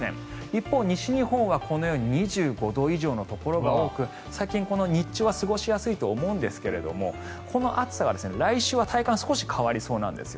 一方、西日本はこのように２５度以上のところが多く最近、日中は過ごしやすいと思うんですがこの暑さが来週には体感が少し変わりそうなんです。